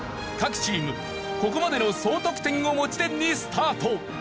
各チームここまでの総得点を持ち点にスタート。